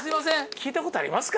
聞いたことありますか？